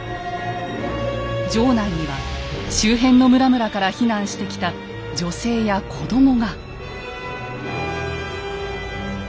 城内には周辺の村々から避難してきた女性や子どもが。